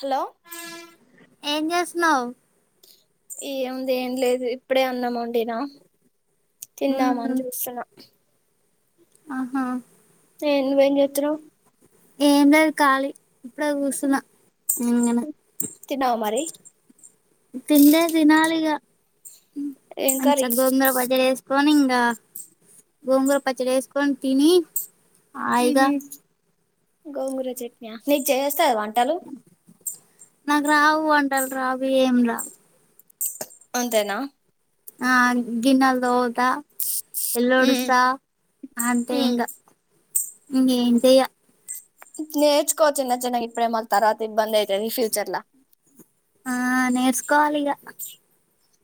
Hello ఏం జెస్తున్నావ్ ఏముంది ఏం లేదు ఇప్పుడే అన్నాముండినా మ్మ్ తిన్నాదమ్మని చూస్తున్నా ఆహా ఏ నువ్వే ఏం జేతున్నావ్ ఏంలేద్ ఖాళీ ఇప్పుడే కుసన్నా తిన్నావా మరి తిండే తినాలి ఇగా ఏం కర్రీ మంచిగా గోంగూర పచ్చడి చేసుకొని ఇగ్ గోంగూర పచ్చడి ఎస్కొని తిని మ్ హాయిగా హు గోంగూర చెక్న నీకు చేయొస్తాద వంటలు నాకు రావు వంటలు రావు ఏం రావ్ అంతేనా ఆ గిన్నేలు తోముత ఉమ్ ఎల్డుస్త అంతే ఉమ్ ఇంగా ఇంగెం చెయ్య నేర్చుకో చిన్న చిన్నగా ఇప్పుడే మల్ తర్వాత ఇబ్బంది అయితది ఫ్యూచర్ల ఆ నేర్స్కోవాలిగ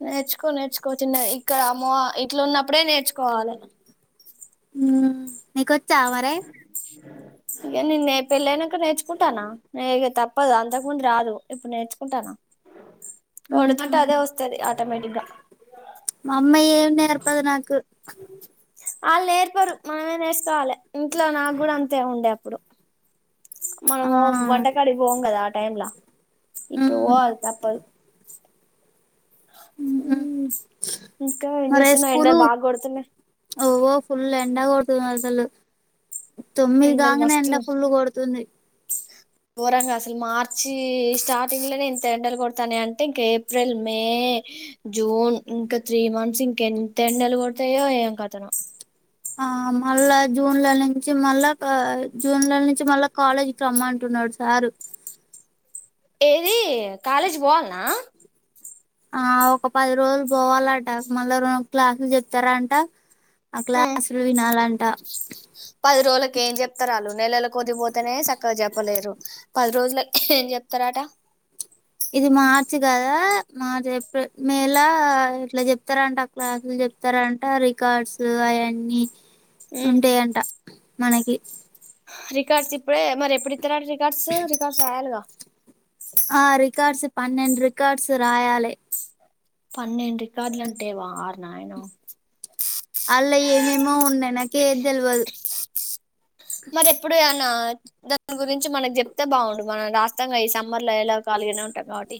నేర్చుకో నేర్చుకో చిన్న ఇక్కడ అమ్మ ఇట్లు ఉన్నప్పుడే నేర్చుకోవాలె ఉమ్ నీకొచ్చా మరే ఇగా నేను పెళ్ళి అయినంక నేర్చుకుంటానా ఇగా తప్పదు అంతకు ముందు రాదు ఇప్పుడు నేర్చుకుంటానా మ్మ్ ఓడుదంటే హు అదే వస్తుది ఆటోమేటిక్గా మా అమ్మ ఏం నేర్పదు నాకు ఆల్ నేర్పరు మనమే నేర్చుకోవాలి ఇంట్లో నాకు కూడా అంతే ఉండే అప్పుడు ఆ మనమో వంటకాడి పోం కదా ఆ టైమ్లా ఇప్పుడు మ్మ్ పోల్ తప్పదు ఉమ్ మరె స్కూలు ఓ ఫుల్లటైం ఎండ కొడుతుంది అస్సలు తొమ్మిది ఎండలు కాగానే ఎండ ఫుల్ కొడుతుంది గోరంగా అసలు మార్చి స్టార్టింగ్ ల నేను ఎండలు కొడతానే అంటే ఇంక ఏప్రిల్ మే జూన్ ఇంకా త్రీ మంత్స్ ఇంకెంత ఎండలు కొడతాయో ఏంకతనో ఆ మళ్ళా జూన్ల నుంచి మళ్ళా జూన్ల నుంచి మళ్ళా కాలేజ్కి రమ్మటున్నాడు సారు ఏది కాలేజ్ పోవాలన్నా ఆ ఒక పది రోజులు పోవాలంట మళ్ళా రే క్లాసులు చెప్తారంట ఆ మ్ క్లాసులు వినాలంట పది రోలకు ఏం చెప్తారళ్ళు నెలల కొద్దిపోతేనే సక్కగా చెప్పలేరు పది రోజులకె ఏం చెప్తారాట ఇది మార్చ్ కదా మార్చ్ ఏప్రిల్ మేలా ఇట్లా చెప్తారంట అ క్లాస్ చెప్తర అంటే రికార్డ్స్ అయన్నీ మ్ ఉంటాయంట మనకి రికార్డ్స్ ఇప్పుడే మరేప్పుడు ఇతరట రికార్డ్స్ రికార్డ్స్ రాయాలిగా ఆ రికార్డ్స్ పన్నెండ్ రికార్డ్స్ రాయాలే పన్నెండు రికార్డులంటే వార్ నాయనో అల్ల ఏమేమో ఉన్నయి నకేది దెల్వదు మరి ఎప్పుడు అనా దాని గురించి మనకి జేప్తే బాగుండు మనం రాస్తాం గా ఈ సమ్మర్ లో ఎలా కాలి ఈనే ఉంటం గాబటి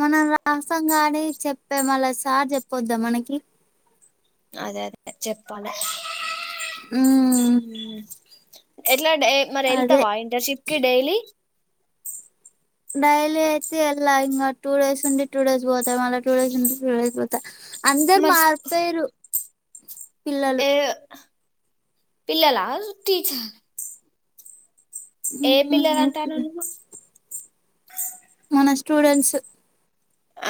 మనం రాసం గానీ చెప్పే మళ్ళ సార్ చెప్పొద్దా మనకి అదె అదె చెప్పలె మ్మ్ ఉమ్ ఎప్ ట్లడె మరి ఎళ్తవ అదే ఇంటర్న్షిప్ కి డైలీ డైలీ అయితే ఎల్ల ఇంగ టూ డేస్ ఉండి టూ డేస్ పోత మళ్ళ టూ డేస్ ఉండి టూ డేస్ పోత అందరు మరి మారిపోయిరు పిల్లలు పిల్ల లా టీచర్ ఆ ఏ పిల్లలు మ్మ్ అంటానవ్ నువ్వు మ స్టూడెంట్స్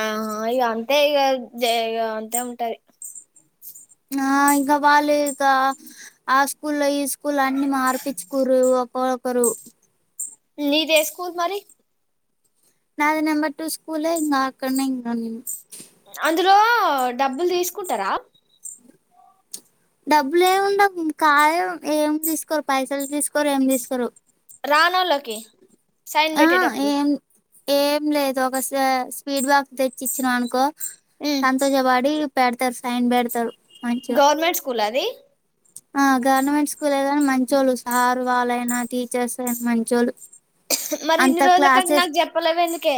అహా ఇగ అంతే ఇగ జే ఇగ అంతే ఉంటది ఆ ఇంకా బాలేేకా ఆ స్కూలో ఈ స్ స్కూల్లు అన్ని మార్పిచ్చుకుర్రు ఒకరొకరు నీదెస్కూల్ మరి? నాది నంబర్ టు స్కూలే ఇంగ అక్కనే ఇంకాన్నీ ఇందులో డబ్బుల్ తీసుకుంటరా? డబ్బులు ఏం డబ్బు కాయం ఏం దీస్కోరు పైసలు దీస్కోరు ఏం దీస్కోరు రానోళ్లకి సైన్ ఆ పెట్టేటప్పుడు ఏం ఏం లేదు ఒక స్వ స్వీట్ బాక్స్ తెచ్చిచ్చినా అనుకో సంతోషపడి పెడతార్ సైన్ పెడతారు మంచిగా గవర్నమెంట్ స్కూల అది ఆ గవర్నమెంట్ స్కూలే గని మంచోళ్ళు సార్ వాళ్ళైనా టీచర్స్ అయినా మంచోళ్ళు మరి అంత ఇన్ని రోజుల క నుంచి క్లాసెస్ నాక్ జేప్పలేవు ఎందుకే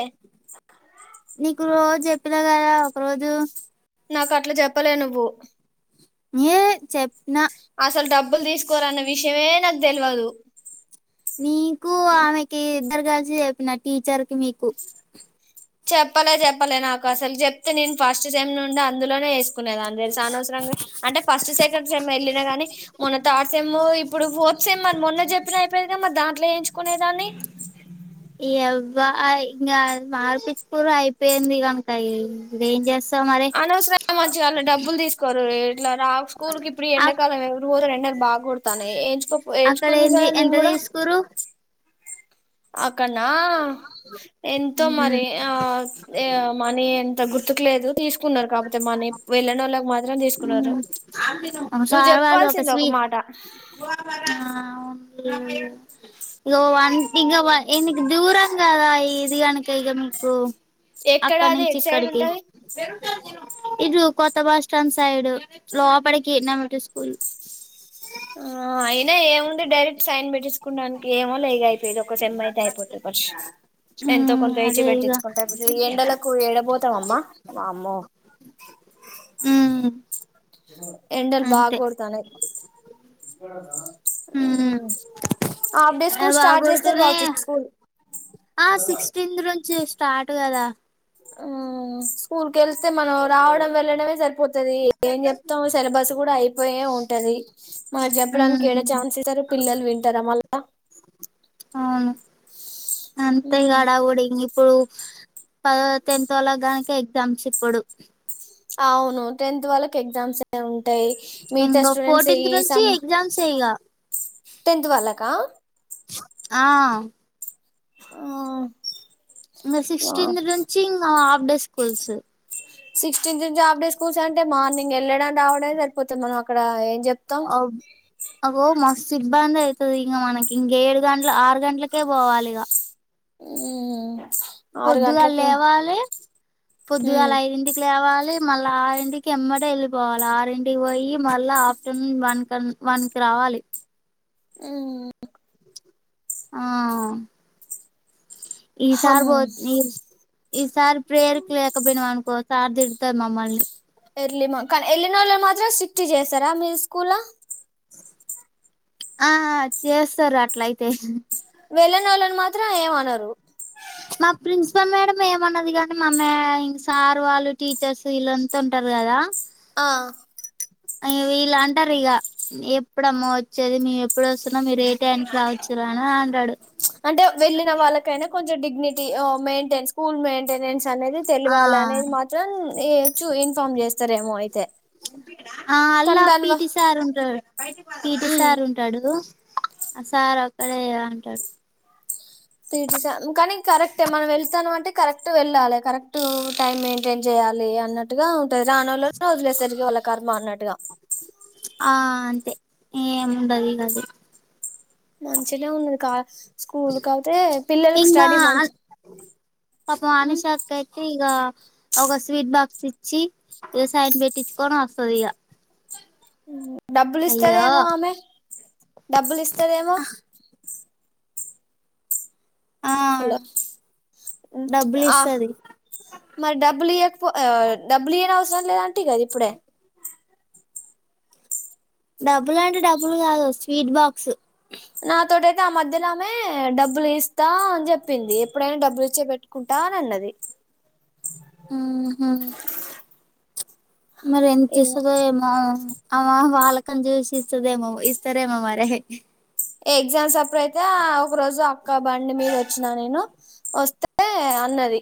నీకు రోజ్ జేప్పిన గదా ఒక రోజు నాకట్ల జేప్పలె నువ్వు ఏ చెప్పిన అసల్ డబ్బులు దీస్కోరన్న విషయమే నాక్ దేల్వదు నీకు ఆమెకి ఇద్దరు గలిసి చెప్పిన టీచర్ కి మీకు చెప్పలె చెప్పలె నాకసల్ జేప్తే నేను ఫస్ట్ టైం నుండి అందులోనే ఏస్కునేదాన్ని తెల్స అనవసరంగా అంటె ఫస్ట్ సెకండ్ సెమ్ ఎళ్ళిన గాని మొన్న థర్డ్ సెమ్ ఇప్పుడు ఫోర్త్ సెమ్ మర్ మొన్న జేప్పినా అయిపోయేదీ గ మార్ దాంట్లో వేయించుకునేదాన్ని ఇయవ్వ అవి ఇంగ మార్పిచ్చు కూర్రు అయిపోయింది గనక ఇగ ఏం జేస్ అనవసరంగ మంచిగ ఆన్ల డబ్బుల్ దీస్కోరు వే ఇట్ల రా స్కూల్ కి ఇప్పుడు అ ఎండకాలం ఎవరు పోతరు ఏండల్ బాగోడుత్తన్నాయ్ ఎంచ్ గోపో అక్కడ ఏంచుకుందు కదా ఏంది ఎంత నేన్ గూడా తీసుకురు అప్ కన్నా ఎంతో మరి ఆ అ మనీ ఎంతో గుర్తుక్ లేదు తీసుకున్నరు కాపోతే మనీ వెళ్ళనోళ్ళక్ మత్ దరన్ తీసుకున్నారు నువ్ సార్ వాళ్ళు జేప్పాల్సింది ఒక స్వీ మాట ఉమ్ ఇగో వన్ ఇగ వ ఈనికి దూరం గదా ఇది గనుక ఇగ మీకు ఎక్కడ అక్కడ్ అది నుంచి ఎటు సైడ్ ఇక్కడికి ఉంటది ఇటు కొత్త బస్స్టాండ్ సైడు లోపడికి నామటి స్కూల్ ఆ అయినా ఏముంది డైరెక్ట్ సైన్ పెట్టేసుకుండానికి ఏమో లేగ అయింది. ఇది ఒక సేమ్ ఐతే ఐపోయింది బష్ ఎంతో కొంత ఏసీ అదే ఇగ పెట్టించుకుంటారు ఎండలకు ఏడబతాం అమ్మా అమ్మో ఎండల్ అంతే బాగోడ్తన్నాయ్ హాఫ్డే స్కూల్ బాగా స్టార్ట్ చేస్తారు కొడుతూనే కావచ్చు స్కూల్ ఆ సిక్స్టీన్త్ నుంచి స్టార్ట్ కదా. మ్ స్కూల్ కి వెళ్స్తే మనం రావడం, వెళ్లడమే సరి పోతది ఏం చెప్తాం సిలబస్ కూడా అయిపోయే ఉంటది. మన చెప్పడానికి ఏడ ఛాన్సెస్ పిల్లలు వింటారా మళ్ళా? అవును అంత గడా ఉడిగి ఇప్పుడు పదో టెన్త్ వాల గనిక ఎగ్జామ్స్ ఇప్పుడు అవును టెన్త్ వాళ్కు ఎగ్జామ్స్ ఏ ఉ టాయి మీగతా ఇంగ స్టూడెంట్స్ ఫోర్టీన్త్ ఈ నుంచి సమ్ ఎగ్జామ్స్ ఇగ టెన్త్ వాళ్ళకా ఆ ఆ ఇగ సిస్టీన్త్ నుంచి ఇ హఫ్ డే స్కూల్స్ సిక్స్టీన్త్ నుంచి ఆఫ్డే స్కూల్స్ అంటే మార్నింగ్ వెళ్ళడం, రావడమే సరిపోతుంది మనం అక్కడ ఏం చెప్తం అవో మస్తు ఇబ్బంది అయితది ఇంగ మనకి ఇంగ ఏడు గంటల, ఆరు గంటలకే పోవాలి ఇగ ఉఊ పొద్దుగాలు లేవాలి, పొద్దుగాల హమ్ ఐదింటికి లేవాలి. మళ్ళ ఆరింటికి ఎమ్మట వెళ్ళిపోవాలి. ఆరింటికి పోయి మళ్ళా ఆఫ్టర్నూన్ వన్ వన్ మనకీ రావాలి ఉమ్ ఆ ఈ సారి బోచి ఈ ఈసారి ప్రేయర్కి లేకపోయి నావ్ అనుకో సార్ తిడితేడ్ మమ్మల్ని ఎర్లీమా కానీ ఎళ్ళనోళ్ళు మాత్రం స్ట్రిక్ట్ చేస్తారా మీరు స్కూల? ఆ చేస్తారు అట్లయితే వెళ్ళేనోళ్ళని మాత్రం ఏమనరు మా ప్రిన్సిపల్ మేడం ఏమన్నది. కానీ మామె ఇంక సార్ వాళ్ళు టీచర్స్ వీళ్ళంతా ఉంటారు కదా. ఆ వీళ్ళు అంటారు ఇగ ఎప్పుడమ్మో వచ్చేది. మేము ఎప్పుడు వస్తున్నా మీరు టెన్ రావచ్చు రానా అంటడు అంటే వెళ్ళిన వాళ్ళకైనా కొంచెం డిగ్నిటీ ఓ మెయింటైన్, స్కూల్ మెయింటెనెన్స్ అనేది తెలివాలినేది ఆ మాత్రం ఏచూ ఇన్ఫార్మ్ చేస్తారేమో అయితే ఆ అల్లా కానీ దాని వ పిటి సార్ ఉంటాడు. పిటి ఉమ్ సార్ ఉంటాడు. సార్ అక్కడే అంటాడు. ఇడిశం కానీ కరెక్టే మనం వెళ్తాం అంటే కరెక్ట్ వెళ్ళాలి. కరెక్ట్ టైం మెయింటైన్ చేయాలి. ఏ అన్నట్టుగా ఉంటది రానోళ్ళ వదిలేసరికి వాళ్ళ కర్మ అన్నట్టుగా ఆ అంతే ఏమి ఉండదు ఇగ అది మంచినే ఉన్నది కా స్కూల్ కా అయితే పిల్లలకి స్టడీ మంచి పాప పాపం అన్యాశక్క ఐతే ఇగ ఒక స్వీట్ బాక్స్ ఇ చి ఇగ సైన్ పెట్టించుకోని వత్తది ఇగా డబ్బులు ఇస్తదేమో, ఆమె డబ్బులు ఇస్తదేమో ఆ హలో హమ్ డబ్బులు హ ఇస్తది మరి డబ్బులు ఇయకపో ఆ డబ్బులు ఈయనవసరంలే నే ఆంటి కద ఇప్పుడే డబ్బులు అంటే డబ్బులు కాదు స్వీట్ బాక్స్ తోటైతే ఆ మధ్యలో ఆమె డబ్బులు ఎస్తా అని జెప్పింది ఎప్పుడైనా డబ్బులు ఇచ్చే పెట్టుకుంటా అని అన్నది ఉ మరి ఎం చేస్తదో ఏమో అవ వాళ్ళ అక్కన్ చూసి ఇస్తదేమో ఇస్తారేమో మరి ఎగ్జామ్స్ అప్పుడు అయితే ఆ ఒక రోజు అక్క బండి మీద వొచ్చినా నేను వొస్తే అన్నది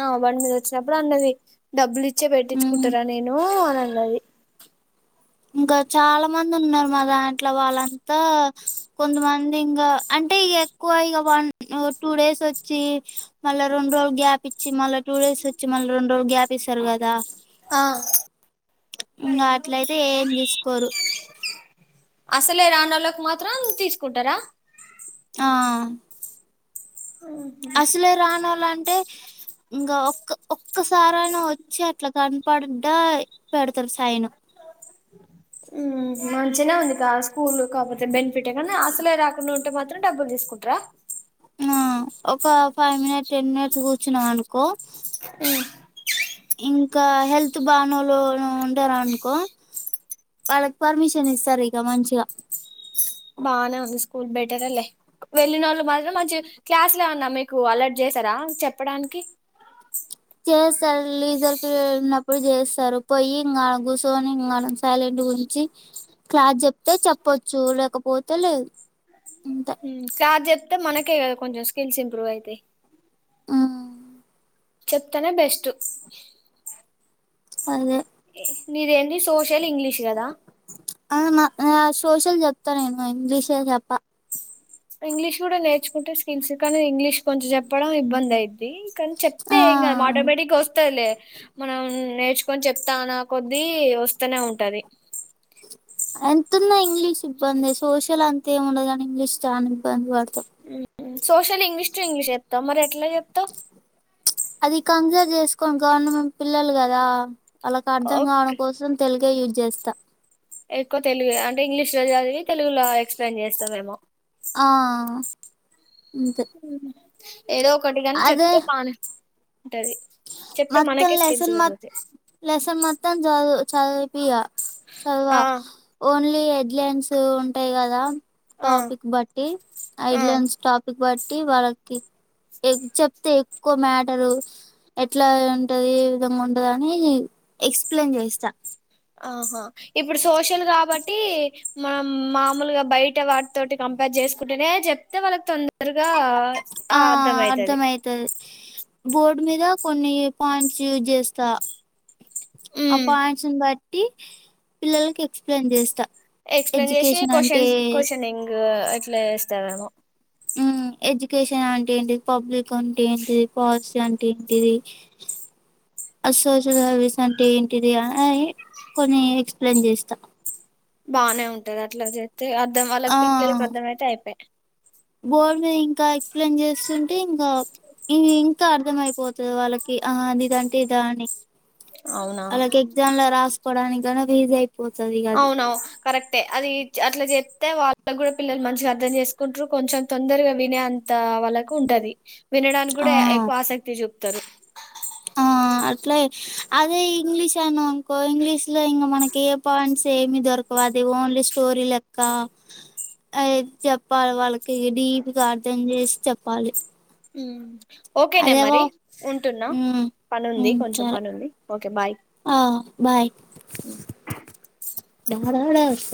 నా బండి మీద వొచ్చినప్పుడు అన్నది డబ్బులు ఇ చ్చే ఉమ్ పెట్టించుకుంటారా నేను అని అన్నది ఇంకా చాలా మంది ఉన్నారు మా దాంట్ల వాళ్ళంతా కొంతమంది ఇంగా అంటే అంటే ఇగ ఎక్కువ ఇగ వన్ టూ డేస్ వొచ్చి మళ్ళ రెండు రోజులు గ్యాప్ ఇచ్చి మళ్ళ టూ డే సి వచ్చి మళ్ళీ రెండ్రోలు గ్యాప్ ఇస్తారు కదా ఆ ఇంగా అట్లయితే ఏం చెసుకోరు అసలే రానోళ్ళకి మాత్రం తీసుకుంటరా ఆ అసలే రానోళ్లంటే ఇంకా ఒక్క ఒక్కసారయినా వొచ్చి అట్లా కనపడుదయి పెడతరు సైన్ మ్ మంచిగనే ఉంది గా స్కూలు కాకపోతే బెనిఫిటే గాని అసలే రాకుండా ఉంటే మాత్రం డబ్బులు తీసుకుంట్రా ఆ ఒక ఫైవ్ మినిట్ టెన్ మినిట్స్ కూర్చున్నాం అనుకో మ్ ఇంకా హెల్త్ బానోళ్లు ఎవరన్నా ఉంటరనుకో వాళ్ళకి పర్మిషన్ ఇస్తరు ఇగ మంచిగా బానే ఉంది స్కూ పూల్ బెటరేలే వెళ్ళినోళ్ళు మాత్రం మంచి క్లాస్లు ఏమన్నా మీకు అలర్ట్ చేసారా చెప్పడానికి చేసారు లీజర్ పీరియడ్ ఉన్నప్పుడు చేస్తారు పొయ్యి ఇంగ గుసోని ఇంగా మనం సైలెంట్ గుం చి క్లాస్ చెప్తే చెప్పోచ్చు లేకపోతే లేదు అంతే మ్ క్లాస్ చెప్తే మనకే కదా కొంచెం స్కిల్స్ ఇంప్రూవ్ అయితయి ఆ చెప్తనే బెస్ట్ అదే ఎ నీదేంది సోషల్ ఇంగ్లీష్ కదా ఆ మా ఆ సోషల్ చెప్తా నేను ఇంగ్లీశే చెప్ప ఇంగ్లీష్ కూడా నేర్చుకుంటే స్కిల్స్ కానీ ఇంగ్లీష్ కొంచెం జెప్పడం ఇబ్బంది అయిది ది కానీ చెప్తే ఆ ఎం గాదు ఆటోమేటిక్గా వోస్తదీలే మనం నేర్చుకొని చెప్తా అన కొద్దీ వస్తనే ఉంటది ఎంత ఉన్న ఇంగ్లీష్ ఇబ్బందె సోషల్ అంత ఏమి ఉండదు గాని ఇంగ్లీష్ చానా ఇబ్బంది పాడత్ మ్ సోషల్ ఇంగ్లీష్ టు ఇంగ్లీష్ చెప్తావ మరి ఎట్లా చెప్తావ్ అది కన్జర్వ్ చేసుకోని గవర్న మం పిల్లలు కదా ఆళ్ళకి అర్ధం కావడం ఓకే కోసం తెలుగు కే యూజ్ చేస్తా ఎక్కువ తెలుగె అంటే ఇంగ్లిష్లో చదివి తెలుగులో ఎక్స్ప్లెయిన్ చేస్తాదేమో ఆ అంతే ఉ ఏదో ఒకటి గాని అదే చెప్తే బానే ఉంటది చెప్తే మొత్తం మనకే స్కిల్స్ లెసన్ మొత్ పెరుగుతాయి లెసన్ మత్తం చదు చదివిపియా ఆ చదువా ఓన్లీ ఈ హెడ్లైన్స్ ఉంటయి గదా ఆ టాపిక్ బట్టి headlines topic but ట్టి వాళ్ళకి ఎగ్ చెప్తే ఎక్కువ మ్యాటరు ఎట్లా ఉంటది ఏ విధంగా ఉంటద అని ఎక్స్ప్లెయిన్ చేస్తా ఆహా ఇప్పుడు సోషల్ గాబట్టి మామ్ మామూలుగా బయట వాటితోటి కంపేర్ జేసుకుంటేనే జెప్తే వాళ్ళకి తొందరగా ఇగా ఆ అర్ధమైతది బోర్డ్ మీద కొన్ని పాయింట్స్ యూజ్ జెస్తా ఆ ఉమ్ పాయింట్స్ ను బ టి పిల్లలకి ఎక్స్ప్లెయిన్ జెస్తా ఎక్స్ప్లెయిన్ జేషి క్వాషన్ క్వశ్చనింగ్ ఇట్లా చేస్తారేమో హ్మ్ ఎడ్యుకేషన్ అంటే ఏంటిది పబ్లిక్ అంటే ఏంటిది పాలసీ అంటే ఏంటిది అ సోషల్ సర్వీస్ అంటే ఏంటిది ఆ ఇయ్యి కొన్ని ఎక్స్ప్లెయిన్ జేస్తా బానే ఉంటది అట్లా జెత్తె అర్ధం ఆ వాళ్ళక్ పిల్లలకి అర్ధం అయితే అయిపా బోర్డు మీద ఇంకా ఎక్స్ప్లెయిన్ జేస్తుంటే ఇంగా ఇ ఇంకా అర్థమయిపోతది వాళ్ళకి ఆహ్ అదిదంటే ఇదా అని అవునా వాళ్ళకి ఎగ్జామ్ లో రాసుకోవడానికైనా ఈజీ అయిపోతది ఇగ అది అవును కరెక్ట్ ఏ అట్ల జెప్తే వాళ్ వాళ్ళక్ గూడా పిల్లల్ మంచిగా అర్థం జెసుకుంటరు కొంచెం తొందరగా వినే అంత వాళ్ళకు ఉంటది వినడానిక్ ఆ గూడా ఎక్కువ ఆసక్తి జూప్తరు ఆ అట్లే అదే ఇంగ్లీష్ అనాంకో ఇంగ్లీష్ లో ఇంగ మనకి ఏ పాయింట్స్ ఏమి దొరకవు ఆది ఓన్లీ స్టోరీ లెక్క అయి జెప్పాలి వాళ్ళకి ఇగ డీప్గా అర్థం జేసి చేప్పాలి ఉమ్ ఓకేనే మరి ఉంటున్నా ఉమ్ పనుంది కొంచెం పనుంది ఓకే బాయ్ ఆహ్ బాయ్ ఉ డడాడ